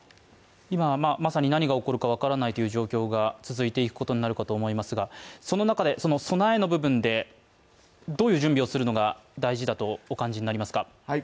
今まさに何が起こるかわからないという状況が続いていくことになるかと思いますが、その中で、その備えの部分で、どういう準備をするのが大事だとお感じになりますか。